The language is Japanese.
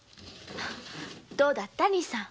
どうだった兄さん？